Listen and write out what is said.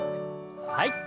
はい。